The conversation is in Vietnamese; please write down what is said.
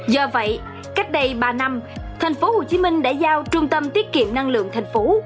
do vậy cách đây ba năm thành phố hồ chí minh đã giao trung tâm tiết kiệm năng lượng thành phố